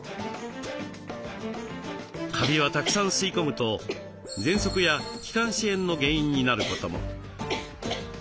カビはたくさん吸い込むとぜんそくや気管支炎の原因になることも。